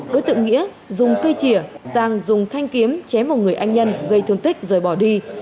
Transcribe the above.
đối tượng nghĩa dùng cây chìa sang dùng thanh kiếm chém vào người anh nhân gây thương tích rồi bỏ đi